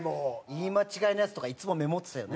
言い間違いのやつとかいつもメモってたよね。